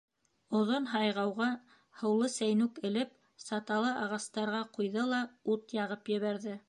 Оҙон һайғауға һыулы сәйнүк элеп, саталы ағастарға ҡуйҙы ла ут яғып ебәрҙе.